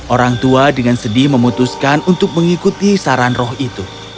orang tua dengan sedih memutuskan untuk mengikuti saran roh itu